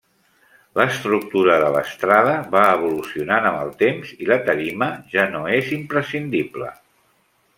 L'estructura de l'estrada va evolucionant amb el temps, i la tarima ja no és imprescindible.